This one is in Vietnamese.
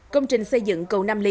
công trình xây dựng cầu nam lý